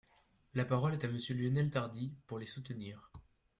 La parole est à Monsieur Lionel Tardy, pour les soutenir.